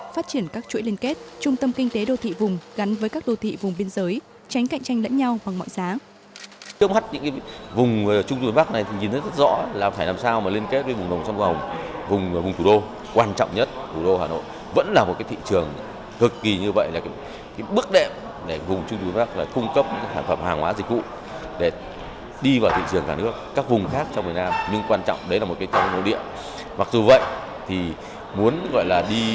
phát triển các chuỗi liên kết trung tâm kinh tế đô thị vùng gắn với các đô thị vùng biên giới tránh cạnh tranh lẫn nhau bằng mọi giá